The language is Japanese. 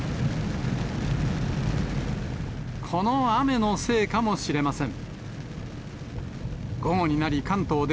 この雨のせいかもしれません。